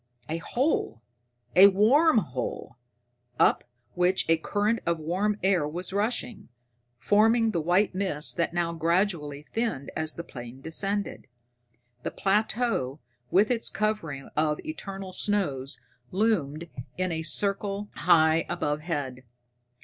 A hole a warm hole, up which a current of warm air was rushing, forming the white mist that now gradually thinned as the plane descended. The plateau with its covering of eternal snows loomed in a white circle high overhead.